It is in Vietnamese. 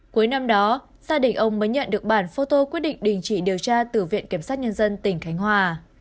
cuối năm đó gia đình ông mới nhận được bản phô tô quyết định đình chỉ điều tra từ viện kiểm sát nhân dân tỉnh khánh hòa